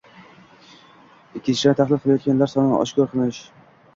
Ikkinchidan, tahlil qilinayotganlar sonini oshkor qilish